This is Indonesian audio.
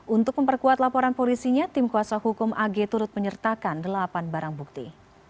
untuk memperkuat laporan polisinya tim kuasa hukum ag turut menyertakan delapan barang bukti